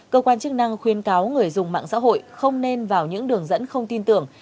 cơ quan chức năng khuyên cáo người dùng mạng xã hội không nên vào những đường dẫn không tin tưởng